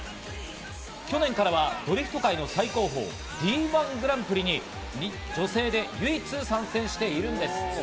去年からはドリフト界の最高峰・Ｄ１グランプリに女性で唯一参戦しているんです。